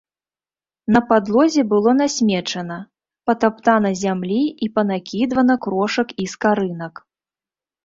На падлозе было насмечана, патаптана зямлі і панакідвана крошак і скарынак.